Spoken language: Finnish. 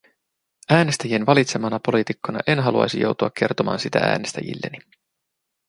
Äänestäjien valitsemana poliitikkona en haluaisi joutua kertomaan sitä äänestäjilleni.